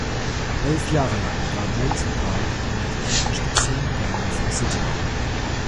Elf Jahre lang war Drayton Park die nördliche Endstation der Northern City Line.